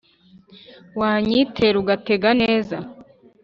Wanyitera ugatega neza,